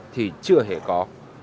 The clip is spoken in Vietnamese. thì chưa hề có